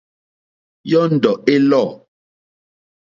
Yɔ́ndɔ̀ é lɔ̂.